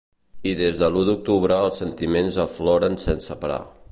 I des de l’u d’octubre els sentiments afloren sense parar.